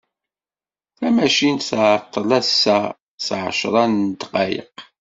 Tamacint tεeṭṭel assa s εecra n ddqayeq.